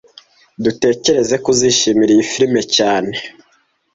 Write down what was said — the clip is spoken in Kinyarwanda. Dutekereza ko uzishimira iyi firime cyane